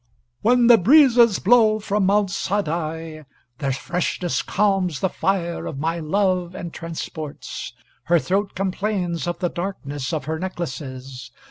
] _When the breezes blow from Mount Saadi, their freshness calms the fire of my love and transports.... Her throat complains of the darkness of her necklaces.